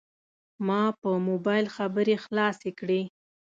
ما په موبایل خبرې خلاصې کړې.